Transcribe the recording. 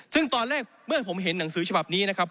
ซึ่งตอนแรกเมื่อผมเห็นหนังสือฉบับนี้นะครับ